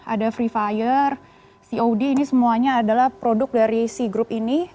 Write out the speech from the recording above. ada free fire cod ini semuanya adalah produk dari sea group ini